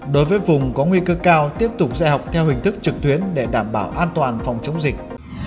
đối với vùng có nguy cơ cao tiếp tục dạy học theo hình thức trực tuyến để đảm bảo an toàn phòng chống dịch